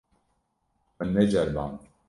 Min neceriband.